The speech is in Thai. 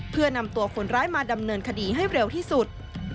เพื่อนำตัวคนร้ายมาดำเนินคดีให้เร็วที่สุด